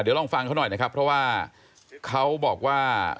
เดี๋ยวลองฟังเขาหน่อยนะครับเพราะว่าเขาบอกว่า